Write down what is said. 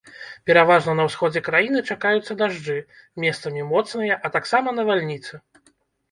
Пераважна на ўсходзе краіны чакаюцца дажджы, месцамі моцныя, а таксама навальніцы.